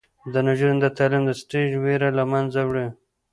د نجونو تعلیم د سټیج ویره له منځه وړي.